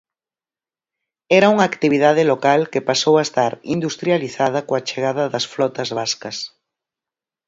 Era unha actividade local que pasou a estar industrializada coa chegada das flotas vascas.